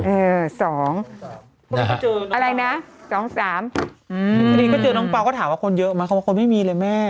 เออ๒อะไรนะ๒๓ทีนี้ก็เจอน้องปาวก็ถามว่าคนเยอะมากเขาว่าคนไม่มีเลยแม่